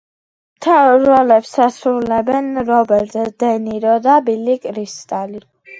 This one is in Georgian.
მთავარ როლებს ასრულებენ რობერტ დე ნირო და ბილი კრისტალი.